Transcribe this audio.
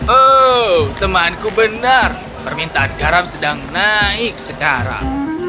oh temanku benar permintaan garam sedang naik sekarang